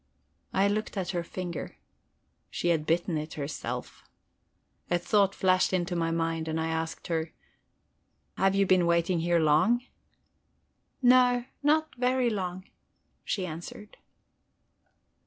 I looked at her finger. She had bitten it herself. A thought flashed into my mind, and I asked her: "Have you been waiting here long?" "No, not very long," she answered.